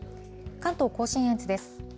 関東甲信越です。